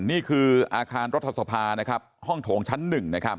นี่คืออาคารรถสภาห้องโถงชั้น๑